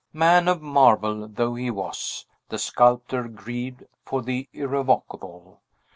Man of marble though he was, the sculptor grieved for the Irrevocable.